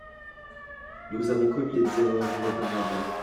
Nous avons commis des erreurs irréparables.